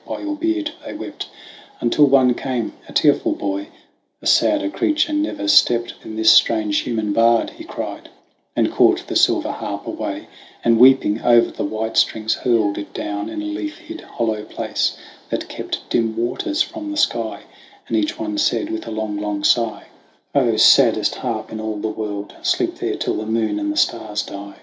by your beard, they wept, Until one came, a tearful boy ; ''A sadder creature never stept Than this strange human bard," he cried; And caught the silver harp away, And, weeping over the white strings, hurled It down in a leaf hid, hollow place That kept dim waters from the sky; And each one said with a long, long sigh, "0 saddest harp in all the world, Sleep there till the moon and the stars die